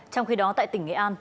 trong khi đó tại tỉnh nghệ an